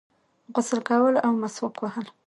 غسل کول او مسواک وهل